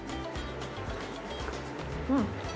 うん。